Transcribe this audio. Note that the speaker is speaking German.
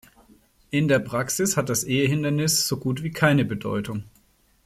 In der Praxis hat das Ehehindernis so gut wie keine Bedeutung.